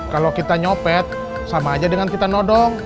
kalau kita nyopet sama aja dengan kita nodong